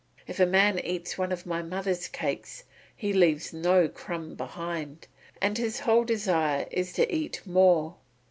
If a man eats one of my mother's cakes he leaves no crumb behind, and his whole desire is to eat more.